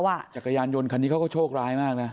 จากจักรยานยนต์ที่เค้าโชคร้ายมากนะ